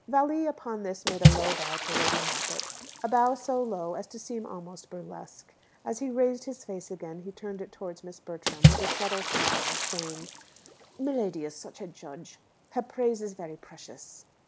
Valli, upon this, made a low bow to Lady Moppett a bow so low as to seem almost burlesque. As he raised his face again he turned it towards Miss Bertram with a subtle smile, saying, "Miladi is such a judge! Her praise is very precious."